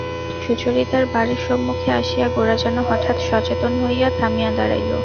সুচরিতার বাড়ির সম্মুখে আসিয়া গোরা যেন হঠাৎ সচেতন হইয়া থামিয়া দাঁড়াইল।